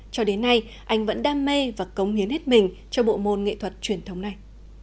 cho đến nay anh vẫn đam mê và cống hiến hết mình cho bộ môn nghệ thuật truyền thống này